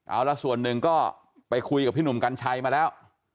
เอาละส่วนหนึ่งก็ไปคุยกับพี่หนุ่มกัญชัยมาแล้ว